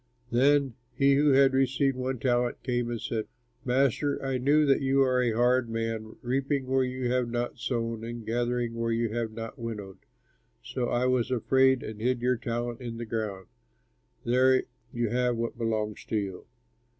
"Then he who had received one talent came and said, 'Master, I knew that you are a hard man, reaping where you have not sown and gathering where you have not winnowed; so I was afraid and hid your talent in the ground. There you have what belongs to you.'